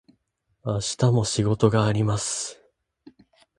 明日も仕事があります。